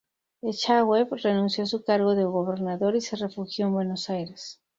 Echagüe renunció a su cargo de gobernador y se refugió en Buenos Aires.